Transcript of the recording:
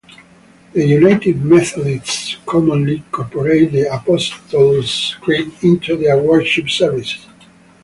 The United Methodists commonly incorporate the Apostles' Creed into their worship services.